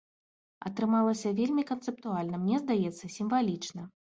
Атрымалася вельмі канцэптуальна, мне здаецца, сімвалічна.